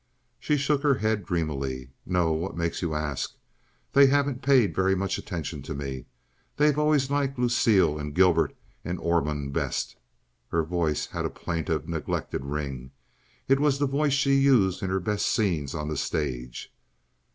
She shook her head dreamily. "No; what makes you ask? They haven't paid very much attention to me. They've always liked Lucille and Gilbert and Ormond best." Her voice had a plaintive, neglected ring. It was the voice she used in her best scenes on the stage.